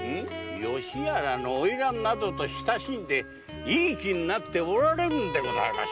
吉原の花魁などと親しんでいい気になっておられるのでございましょう。